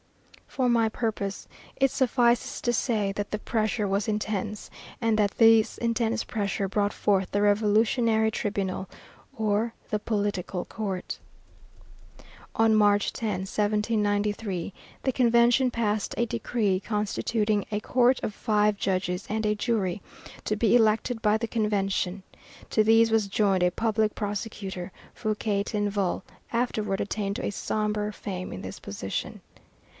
For my purpose it suffices to say that the pressure was intense, and that this intense pressure brought forth the Revolutionary Tribunal, or the political court. On March 10, 1793, the Convention passed a decree constituting a court of five judges and a jury, to be elected by the Convention. To these was joined a public prosecutor. Fouquier Tinville afterward attained to a sombre fame in this position.